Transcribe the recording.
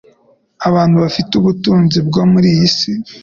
Abantu bafite ubutunzi bwo muri iyi si